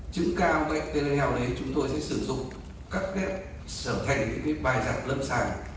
chứng cao bệnh telehealth đấy chúng tôi sẽ sử dụng các cái sở thành những cái bài giảng lâm sản